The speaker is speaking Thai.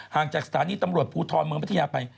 จากสถานีตำรวจภูทรเมืองพัทยาไป